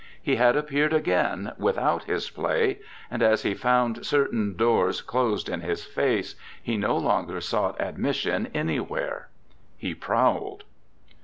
He had appeared again, without his play, and as he found certain doors closed in his face, he no longer sought admission anywhere. He prowled.